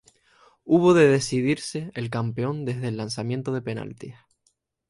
Hubo de decidirse el campeón desde el lanzamiento de penaltis.